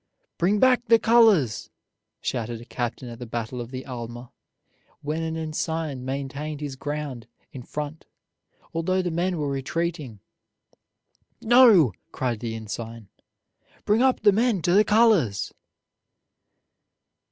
"Bring back the colors," shouted a captain at the battle of the Alma, when an ensign maintained his ground in front, although the men were retreating. "No," cried the ensign, "bring up the men to the colors."